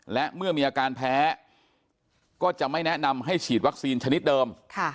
และเมื่อมีอาการแพ้ก็จะไม่แนะนำให้ฉีดวัคซีนชนิดเดิม